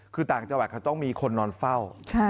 คือต่างจังหวัดเขาต้องมีคนนอนเฝ้า